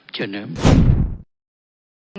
เชิญครับ